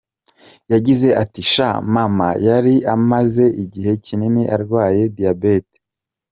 Yagize ati: “Sha mama yari amaze igihe kinini arwaye diyabete.